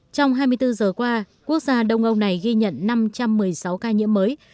trong hai mươi bốn giờ qua quốc gia đông âu này ghi nhận năm trăm một mươi sáu ca nhiễm mới